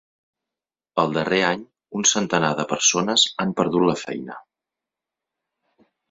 El darrer any, un centenar de persones han perdut la feina.